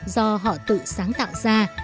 do họ tự sáng tạo ra